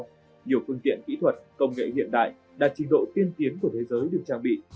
trong nhiều phương tiện kỹ thuật công nghệ hiện đại đạt trình độ tiên tiến của thế giới được trang bị